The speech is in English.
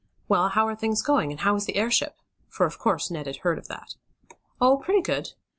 Well, how are things going; and how is the airship?" for, of course, Ned had heard of that. "Oh, pretty good.